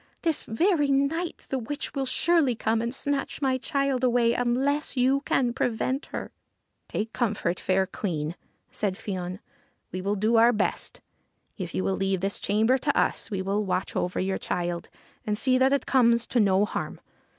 This very night the witch will surely come and snatch my child away unless you can prevent her.' ' Take comfort, fair Queen,' said Fion. ' We will do our best. If you will leave this chamber to us we will watch over your child and see that it comes to no harm.